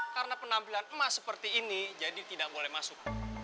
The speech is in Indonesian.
karena penampilan emas seperti ini jadi tidak boleh masuk